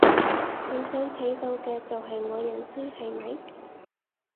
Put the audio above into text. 你想睇到嘅就係我認輸，係咪？